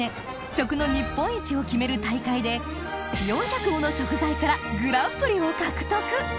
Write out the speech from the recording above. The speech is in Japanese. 食の日本一を決める大会で４００もの食材からグランプリを獲得